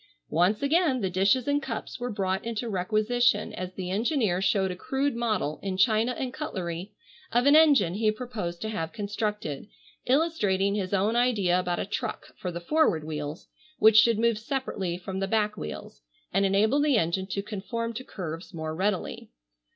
Once again the dishes and cups were brought into requisition as the engineer showed a crude model, in china and cutlery, of an engine he proposed to have constructed, illustrating his own idea about a truck for the forward wheels which should move separately from the back wheels and enable the engine to conform to curves more readily.